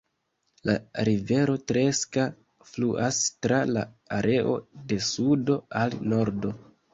La rivero Treska fluas tra la areo de sudo al nordo.